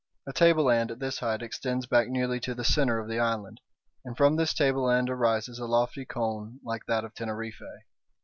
A tableland at this height extends back nearly to the centre of the island, and from this tableland arises a lofty cone like that of Teneriffe.